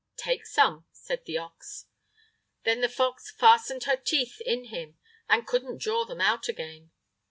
"Take some," said the ox. Then the fox fastened her teeth in him and couldn't draw them out again.